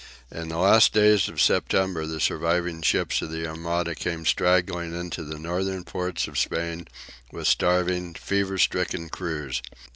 In the last days of September the surviving ships of the Armada came straggling into the northern ports of Spain with starving, fever stricken crews.